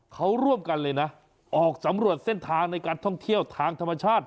เขาร่วมกันเลยนะออกสำรวจเส้นทางในการท่องเที่ยวทางธรรมชาติ